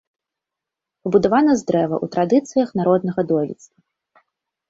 Пабудавана з дрэва ў традыцыях народнага дойлідства.